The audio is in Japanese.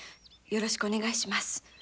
よろしくお願いします。